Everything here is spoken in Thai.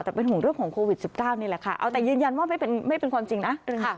แต่เป็นห่วงเรื่องของโควิด๑๙นี่แหละค่ะเอาแต่ยืนยันว่าไม่เป็นความจริงนะ